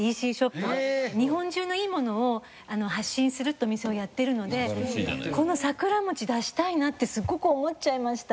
日本中のいいものを発信するってお店をやってるのでこの桜餅出したいなってすごく思っちゃいました。